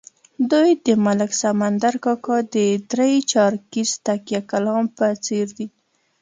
دوی د ملک سمندر کاکا د درې چارکیز تکیه کلام په څېر دي.